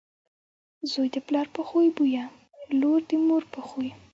زوی دپلار په خوی بويه، لور دمور په خوی .